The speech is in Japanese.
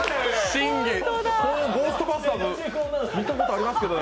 審議、「ゴーストバスターズ」、見たことありますけど。